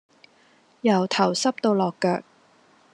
由頭濕到落腳